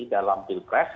dalam bilpres ya